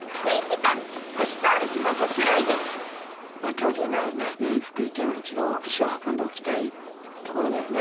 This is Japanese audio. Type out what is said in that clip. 恐竜ならね福井県は一度足を運んでおきたいところだよね。